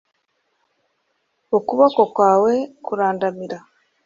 ukuboko kwawe kurandamira